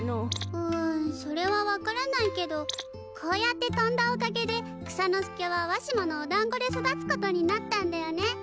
うんそれはわからないけどこうやってとんだおかげで草ノ助はわしものおだんごで育つことになったんだよね。